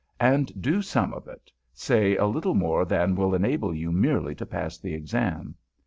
And do some of it say, a little more than will enable you merely to pass the Exam.